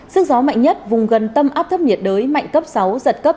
sức gió mạnh nhất vùng gần tâm áp thấp nhiệt đới mạnh cấp sáu giật cấp chín